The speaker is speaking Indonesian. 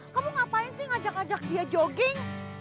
kamu ngapain sih ngajak ajak dia jogeng